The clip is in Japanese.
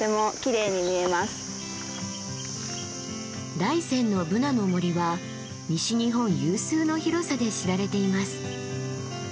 大山のブナの森は西日本有数の広さで知られています。